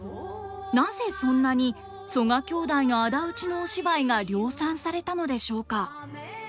なぜそんなに曽我兄弟の仇討ちのお芝居が量産されたのでしょうか？